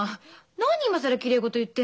何今更きれい事言ってんのよ。